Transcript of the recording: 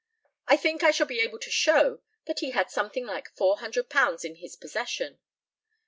I think I shall be able to show that he had something like £400 in his possession.